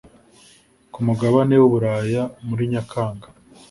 ku mugabane w’uburaya muri nyakanga ,